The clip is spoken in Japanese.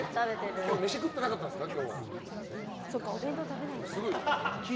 今日、飯食ってなかったんですか。